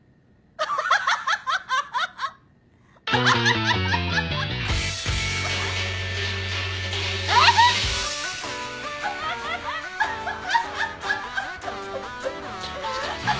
アハハハハ！アハハ